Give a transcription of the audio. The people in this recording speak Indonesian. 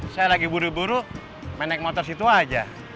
saya lagi buru buru main naik motor situ aja